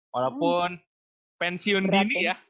walaupun pensiun dini ya